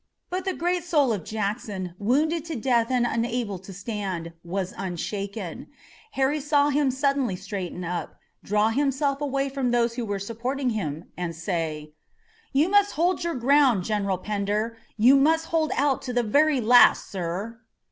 But the great soul of Jackson, wounded to death and unable to stand, was unshaken. Harry saw him suddenly straighten up, draw himself away from those who were supporting him, and say: "You must hold your ground, General Pender! You must hold out to the very last, sir!"